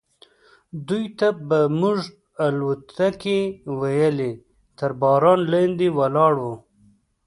دوی ته به موږ الوتکې ویلې، تر باران لاندې ولاړ و.